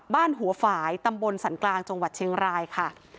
บ้านหัวฝ่ายตำบลสันกลางจังหวัดเชียงรายค่ะ